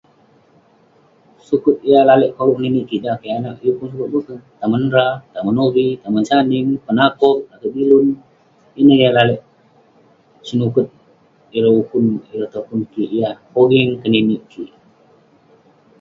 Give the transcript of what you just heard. Suket yah lalek koluk keninik kik dan kik anag, yeng pun suket boken..tamen ra, tamen nove, tamen saning, penakoh, lakeik bilun..ineh yah lalek senuket ireh ukun ireh topun kik yah pogeng keninik kik..